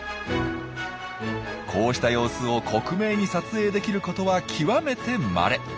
こうした様子を克明に撮影できることは極めてまれ。